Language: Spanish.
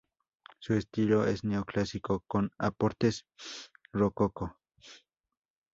Su estilo es neo-clásico con aportes rococó.